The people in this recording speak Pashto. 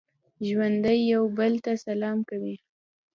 ژوندي یو بل ته سلام کوي